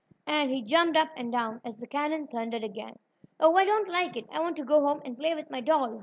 and he jumped up and down as the cannon thundered again. "Oh, I don't like it! I want to go home and play with my doll!"